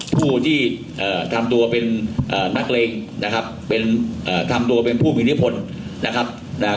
ผู้ที่ทำตัวเป็นนักเลงเป็นผู้มินิภน